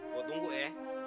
gue tunggu ya